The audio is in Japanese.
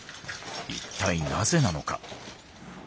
一体なぜなのか？